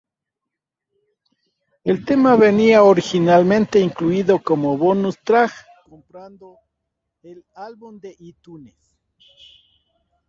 El tema venía originalmente incluido como "bonus track" comprando el álbum en iTunes.